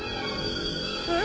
えっ！？